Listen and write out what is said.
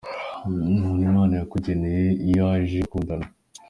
Umuntu Imana yakugeneye iyo aje murakundana.